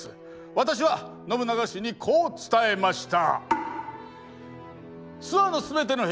私は信長氏にこう伝えました。